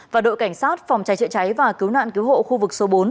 và đội cảnh sát phòng cháy chữa cháy và cứu nạn cứu hộ khu vực số bốn